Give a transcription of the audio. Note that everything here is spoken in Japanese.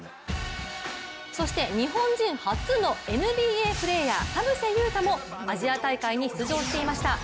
そして日本人初のＮＢＡプレーヤー、田臥勇太もアジア大会に出場していました。